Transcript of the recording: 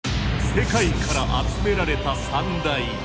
世界から集められた三大。